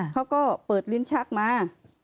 เขาก็เปิดลิ้นชักมา